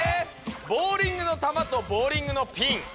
「ボウリングの球」と「ボウリングのピン」。